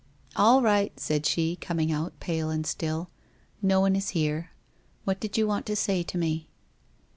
' All right !' said she, coming out, pale and still. * No one is here. "What did you want to say to me?'